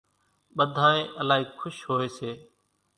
ٻڌانئين الائي کُش ھوئي سي